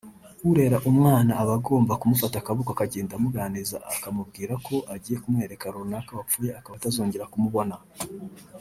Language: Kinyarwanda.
urera umwana aba agomba kumufata akaboko akagenda amuganiriza akamubwira ko agiye kumwereka runaka wapfuye akaba atazongera kumubona